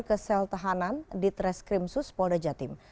ke sel tahanan di tres krimsus polda jatim